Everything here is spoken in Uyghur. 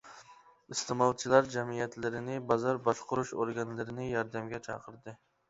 ئىستېمالچىلار جەمئىيەتلىرىنى، بازار باشقۇرۇش ئورگانلىرىنى ياردەمگە چاقىردى.